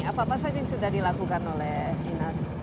apa apa saja yang sudah dilakukan oleh dinas